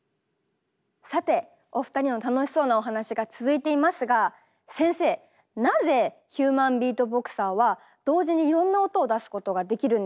さてお二人の楽しそうなお話が続いていますが先生なぜヒューマンビートボクサーは同時にいろんな音を出すことができるのでしょうか？